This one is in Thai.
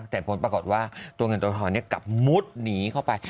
แต่ผลปรากฏว่าตัวเงินตัวทองกลับมุดหนีเข้าไป